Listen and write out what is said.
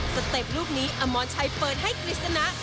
เต็ปลูกนี้อมรชัยเปิดให้กฤษณะ